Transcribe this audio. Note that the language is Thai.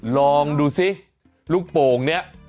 ลองดูสิลูกโป่งเนี่ย